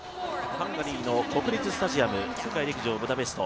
ハンガリーの国立スタジアム世界陸上ブダペスト。